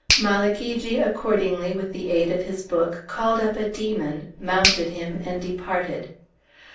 Malagigi accordingly, with the aid of his book, called up a demon, mounted him, and departed.